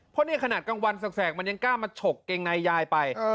เพราะนี่ขนาดกลางวันแสกมันยังกล้ามาฉกเกงในยายไป